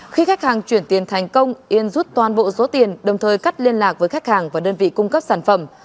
khi khách hàng chuyển tiền thành công yên rút toàn bộ số tiền đồng thời cắt liên lạc với khách hàng và đơn vị cung cấp sản phẩm